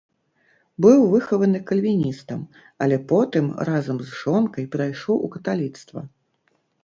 Быў выхаваны кальвіністам, але потым разам з жонкай перайшоў у каталіцтва.